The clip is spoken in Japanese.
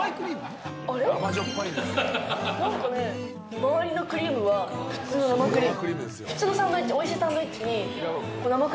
周りのクリームは、普通の生クリーム。